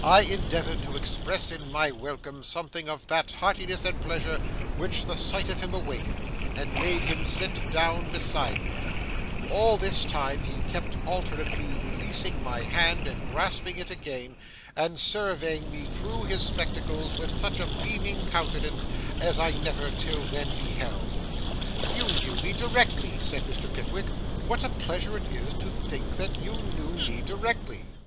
I endeavoured to express in my welcome something of that heartiness and pleasure which the sight of him awakened, and made him sit down beside me. All this time he kept alternately releasing my hand and grasping it again, and surveying me through his spectacles with such a beaming countenance as I never till then beheld. [Picture: Mr. Pickwick introduces himself to Master Humphrey] 'You knew me directly!' said Mr. Pickwick. 'What a pleasure it is to think that you knew me directly!